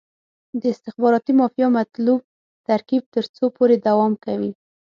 د استخباراتي مافیا مطلوب ترکیب تر څو پورې دوام کوي.